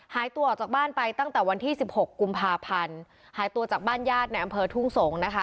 หายตัวออกจากบ้านไปตั้งแต่วันที่สิบหกกุมภาพันธ์หายตัวจากบ้านญาติในอำเภอทุ่งสงศ์นะคะ